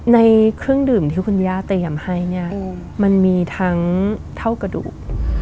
ในเครื่องดื่มที่คุณย่าเตรียมให้เนี่ยมันมีทั้งเท่ากระดูก